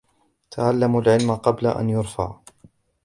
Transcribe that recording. تَعَلَّمُوا الْعِلْمَ قَبْلَ أَنْ يُرْفَعَ